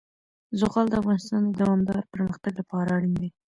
زغال د افغانستان د دوامداره پرمختګ لپاره اړین دي.